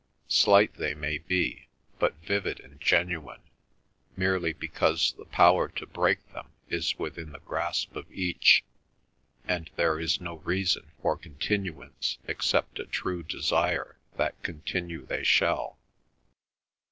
Slight they may be, but vivid and genuine, merely because the power to break them is within the grasp of each, and there is no reason for continuance except a true desire that continue they shall.